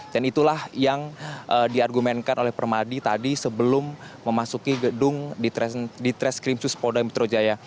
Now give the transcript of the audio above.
dan itulah yang diargumenkan oleh permadi tadi sebelum memasuki gedung di tres krimsus polda mitrojaya